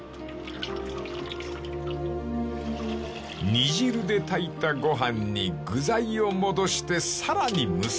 ［煮汁で炊いたご飯に具材を戻してさらに蒸す］